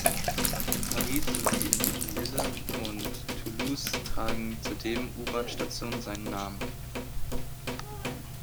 In Paris sowie in Lille und Toulouse tragen zudem U-Bahn-Stationen seinen Namen.